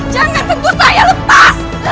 jangan tentu saya lepas